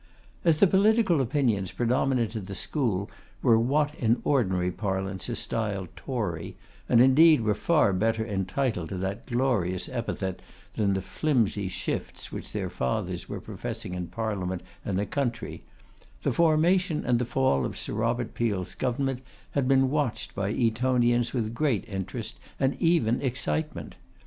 As the political opinions predominant in the school were what in ordinary parlance are styled Tory, and indeed were far better entitled to that glorious epithet than the flimsy shifts which their fathers were professing in Parliament and the country; the formation and the fall of Sir Robert Peel's government had been watched by Etonians with great interest, and even excitement.